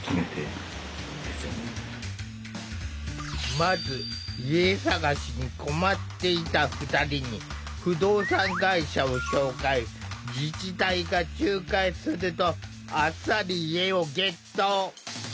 まず家探しに困っていた２人に自治体が仲介するとあっさり家をゲット。